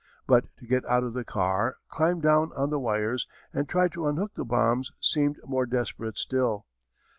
But to get out of the car, climb down on the wires, and try to unhook the bombs seemed more desperate still.